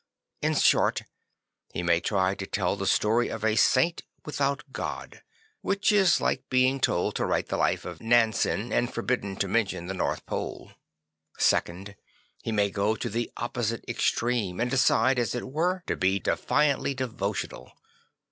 In short, he may try to tell the story of a saint without God; which is like being told to write the life of Nansen and forbidden to mention the North Pole. 1"he Problem of St. FranciJ 9 Second, he may go to the opposite extreme, and decide, as it were, to be defiantly devotional.